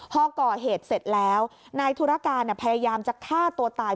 พอก่อเหตุเสร็จแล้วนายธุรการพยายามจะฆ่าตัวตาย